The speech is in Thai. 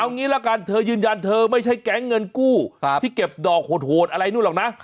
เอางี้ละกันเธอยืนยันเธอไม่ใช่แก๊งเงินกู้ที่เก็บดอกโหดอะไรนู่นหรอกนะ